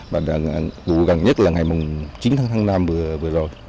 và vụ gần nhất là ngày chín tháng năm vừa rồi